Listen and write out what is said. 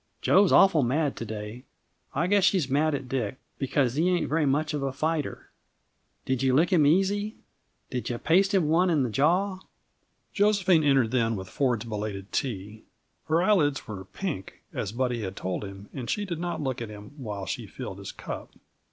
Jo's awful mad to day. I guess she's mad at Dick, because he ain't very much of a fighter. Did you lick him easy? Did you paste him one in the jaw?" Josephine entered then with Ford's belated tea. Her eyelids were pink, as Buddy had told him, and she did not look at him while she filled his cup.